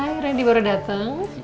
hai rendy baru dateng